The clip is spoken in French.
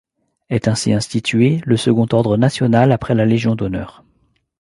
Est ainsi institué le second ordre national après la Légion d'honneur.